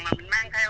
mình mang theo